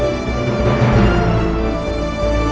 aku akan selalu beautifulingsg